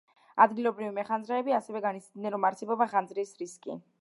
ადგილობრივი მეხანძრეები ასევე განიცდიდნენ, რომ არსებობდა ხანძრის რისკი.